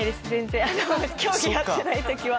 競技やってない時は。